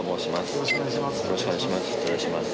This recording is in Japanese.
よろしくお願いします